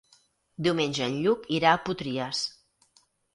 Diumenge en Lluc irà a Potries.